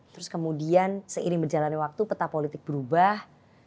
terus kemudian seiring berjalannya waktu peta politik berubah